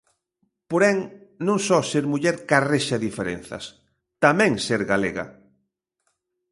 Porén, non só ser muller carrexa diferenzas, tamén ser galega.